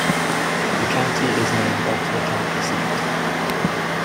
The county is named after the county seat.